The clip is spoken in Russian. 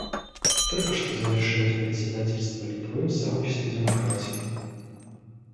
Только что завершилось председательство Литвы в Сообществе демократий.